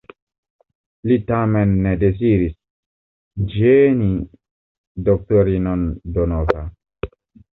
Li tamen ne deziris ĝeni doktorinon Donova.